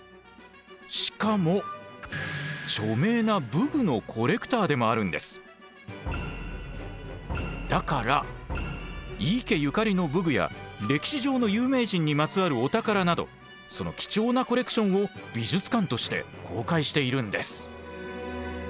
しかも著名なだから井伊家ゆかりの武具や歴史上の有名人にまつわるお宝などその貴重なコレクションを美術館として公開しているんです。